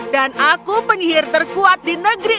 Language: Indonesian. dan aku penyihir terkuat di negeri ini